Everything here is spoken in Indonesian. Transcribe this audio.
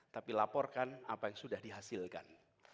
tapi laporkan apa yang sudah dihasilkan